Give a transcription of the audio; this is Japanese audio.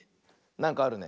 なんかあるね。